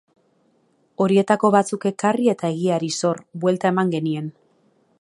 Horietako batzuk ekarri eta egiari zor, buelta eman genien.